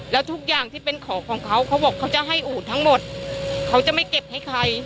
แล้วทุกอย่างที่เป็นของของเขาเขาบอกเขาจะให้อูดทั้งหมดเขาจะไม่เก็บให้ใคร